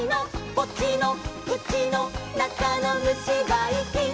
「ポチのくちのなかのむしばいきん！」